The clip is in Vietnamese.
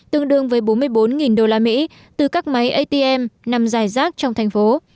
tương đương với bốn mươi bốn đô la mỹ từ các máy atm nằm dài rác trong thành phố